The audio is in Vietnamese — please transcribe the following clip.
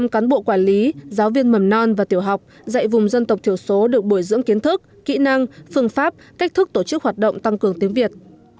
một trăm linh cán bộ quản lý giáo viên mầm non và tiểu học dạy vùng dân tộc thiểu số được bồi dưỡng kiến thức kỹ năng phương pháp cách thức tổ chức hoạt động tăng cường tiếng việt